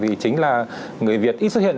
vì chính là người việt ít xuất hiện